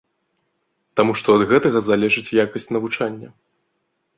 Таму што ад гэтага залежыць якасць навучання.